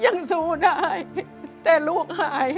ยังสู้ได้แต่ลูกหาย